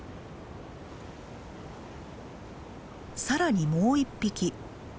さらにもう１匹。